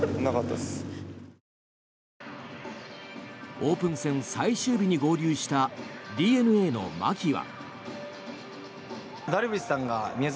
オープン戦最終日に合流したＤｅＮＡの牧は。